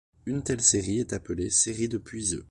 Une telle série est appelée série de Puiseux.